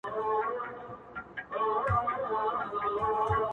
د سپي دا وصیت مي هم پوره کومه,